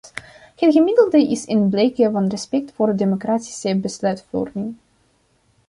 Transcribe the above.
Het gemiddelde is een blijk van respect voor democratische besluitvorming.